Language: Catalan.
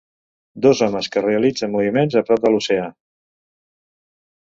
Dos homes que realitzen moviments a prop de l'oceà